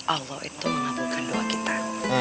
allah itu mengabulkan doa kita